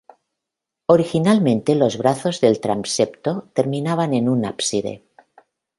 Originalmente los brazos del transepto terminaban en un ábside.